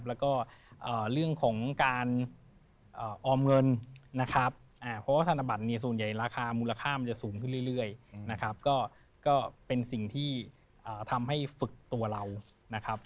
แล้วก็เรื่องของการออมเงินนะครับเพราะว่าธนบัตรเนี่ยส่วนใหญ่ราคามูลค่ามันจะสูงขึ้นเรื่อยนะครับก็เป็นสิ่งที่ทำให้ฝึกตัวเรานะครับ